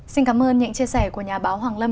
xin cảm ơn những chia sẻ của nhà báo hoàng lâm